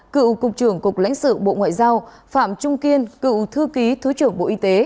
cựu cục trưởng cục lãnh sự bộ ngoại giao phạm trung kiên cựu thư ký thứ trưởng bộ y tế